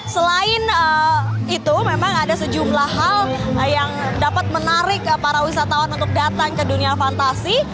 selain itu memang ada sejumlah hal yang dapat menarik para wisatawan untuk datang ke dunia fantasi